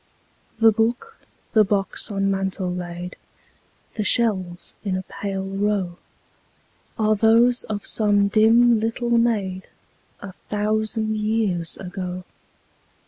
The book, the box on mantel laid, The shells in a pale row, Are those of some dim little maid, A thousand years ago.